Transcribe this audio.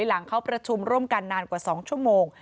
หลังเขาประชุมร่วมกันนานกว่า๒ชั่วโมง